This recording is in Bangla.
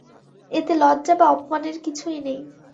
এতে লজ্জা বা অপমানের কিছুই নেই।